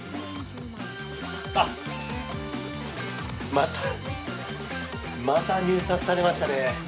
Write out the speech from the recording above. あっ、またまた入札されましたね。